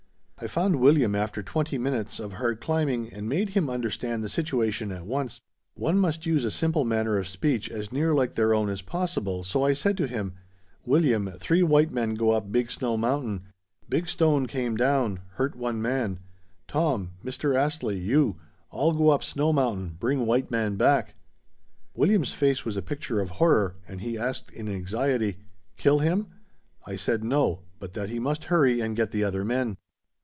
I found William after twenty minutes of hard climbing and made him understand the situation at once. One must use a simple manner of speech as near like their own as possible, so I said to him—"William, three white men go up big snow mountain. Big stone came down, hurt one man. Tom, Mr. Astley, you—all go up snow mountain, bring white man back." William's face was a picture of horror, and he asked in anxiety—"Kill him?" I said no, but that he must hurry and get the other men.